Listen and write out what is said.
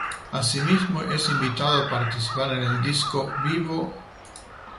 Asimismo es invitado a participar en el disco “Vivo...